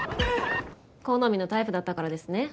好みのタイプだったからですね。